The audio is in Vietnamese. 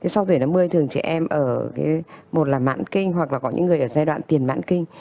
sau tuổi năm mươi thường trẻ em ở một là mãn kinh hoặc là có những người ở giai đoạn tiền mãn kinh